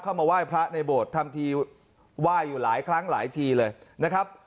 มาไหว้พระในโบสถ์ทำทีไหว้อยู่หลายครั้งหลายทีเลยนะครับ